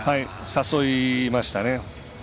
誘いましたね。